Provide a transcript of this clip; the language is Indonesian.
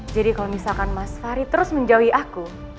jadi kalau misalkan mas fahri terus menjauhi aku